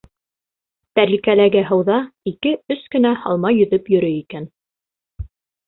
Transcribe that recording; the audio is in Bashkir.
Тәрилкәләге һыуҙа ике-өс кенә һалма йөҙөп йөрөй икән.